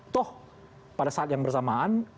toh pada saat yang bersamaan